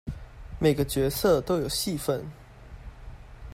每個角色都有戲份